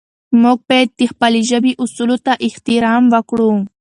موږ باید د خپلې ژبې اصولو ته احترام وکړو.